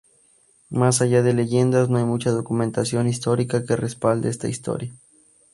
Más allá de leyendas, no hay mucha documentación histórica que respalde esta historia.